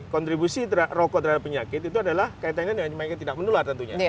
kontribusi rokok terhadap penyakit itu adalah kaitannya dengan penyakit tidak menular tentunya